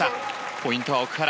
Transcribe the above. ポイントは奥原。